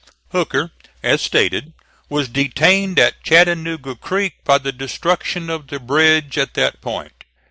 Hooker, as stated, was detained at Chattanooga Creek by the destruction of the bridge at that point.